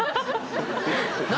何？